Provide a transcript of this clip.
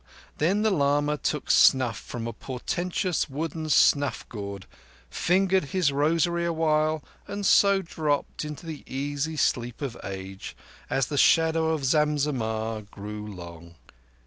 Then the lama took snuff from a portentous wooden snuff gourd, fingered his rosary awhile, and so dropped into the easy sleep of age, as the shadow of Zam Zammah grew long.